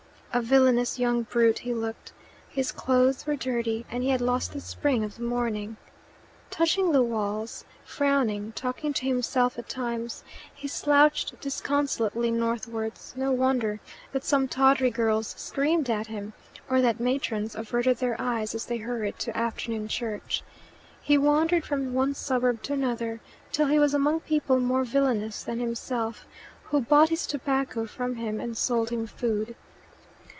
A villainous young brute he looked: his clothes were dirty, and he had lost the spring of the morning. Touching the walls, frowning, talking to himself at times, he slouched disconsolately northwards; no wonder that some tawdry girls screamed at him, or that matrons averted their eyes as they hurried to afternoon church. He wandered from one suburb to another, till he was among people more villainous than himself, who bought his tobacco from him and sold him food.